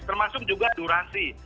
termasuk juga durasi